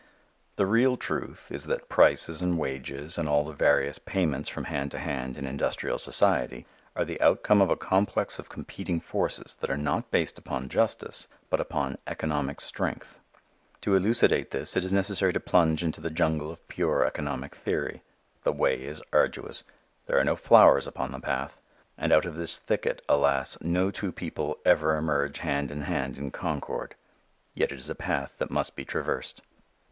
The real truth is that prices and wages and all the various payments from hand to hand in industrial society, are the outcome of a complex of competing forces that are not based upon justice but upon "economic strength." To elucidate this it is necessary to plunge into the jungle of pure economic theory. The way is arduous. There are no flowers upon the path. And out of this thicket, alas, no two people ever emerge hand in hand in concord. Yet it is a path that must be traversed.